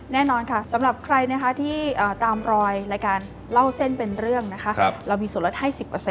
แน่นอนสำหรับใครที่ตามรอยเรื่องี้เรามีส่วนล่ะ๑๐